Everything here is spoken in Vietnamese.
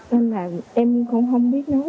nên là em cũng không biết nói